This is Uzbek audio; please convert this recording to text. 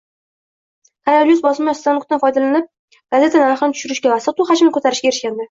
Karolyus bosma stanokdan foydalanib, gazeta narxini tushirishga va sotuv hajmini ko‘tarishga erishgandi.